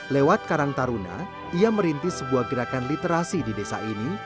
lewat karang taruna ia merintis sebuah gerakan literasi di desa ini